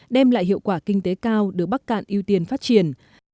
đem lại hiệu quả kinh tế cao đưa bắt cạn ưu tiên phát triển